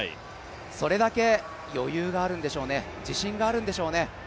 それだけ余裕があるんでしょうね、自信があるんでしょうね。